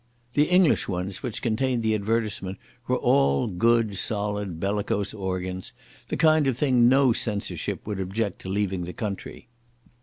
The English ones which contained the advertisement were all good, solid, bellicose organs; the kind of thing no censorship would object to leaving the country.